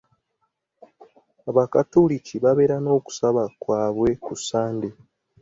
Abakatoliki babeera n'okusaba kwaabwe ku Sande.